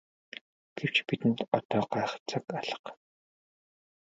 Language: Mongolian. Гэвч бидэнд одоо гайхах цаг алга.